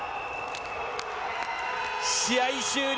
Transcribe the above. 試合終了。